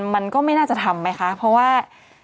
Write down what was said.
มันก็ไม่น่าจะทำไหมคะเพราะว่า